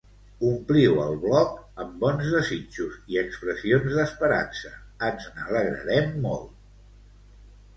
Ompliu el blog amb bons desitjos i expressions d'esperança, ens n'alegrarem molt!